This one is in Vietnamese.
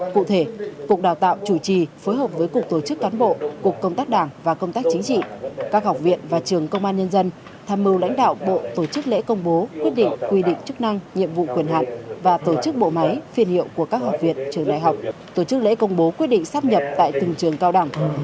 cụ thể cục đào tạo chủ trì phối hợp với cục tổ chức cán bộ cục công tác đảng và công tác chính trị các học viện và trường công an nhân dân tham mưu lãnh đạo bộ tổ chức lễ công bố quyết định quy định chức năng nhiệm vụ quyền hạn và tổ chức bộ máy phiên hiệu của các học viện trường đại học tổ chức lễ công bố quyết định sắp nhập tại từng trường cao đẳng